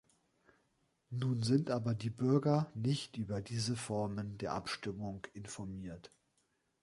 Nun sind aber die Bürger nicht über diese Formen der Abstimmung informiert.